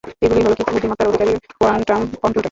এগুলি হল কৃত্রিম বুদ্ধিমত্তার অধিকারী কোয়ান্টাম কম্পিউটার।